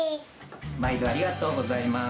まいどありがとうございます。